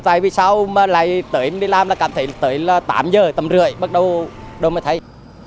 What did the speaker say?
tại vì sao mà lại tới em đi làm là cảm thấy tới là tám giờ tầm rưỡi bắt đầu đâu mà thấy